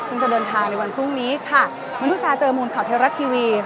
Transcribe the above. ซึ่งจะเดินทางในวันพรุ่งนี้ค่ะมนุชาเจอมูลข่าวเทวรัฐทีวี